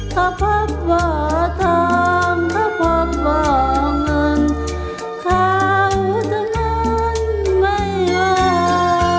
ข้าพบว่าท้องข้าพบว่าเงินข้าอยู่ทั้งนั้นไม่ว่า